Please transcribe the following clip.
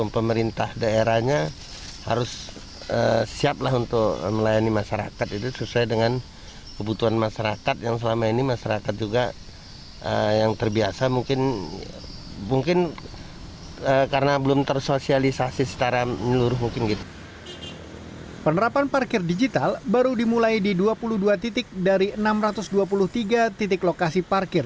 penerapan parkir digital baru dimulai di dua puluh dua titik dari enam ratus dua puluh tiga titik lokasi parkir